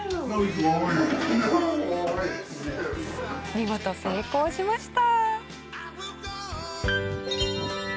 見事成功しました！